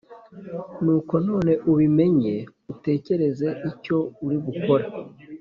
Nuko none ubimenye utekereze icyo uri bukore